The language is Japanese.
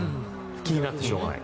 気になってしょうがない。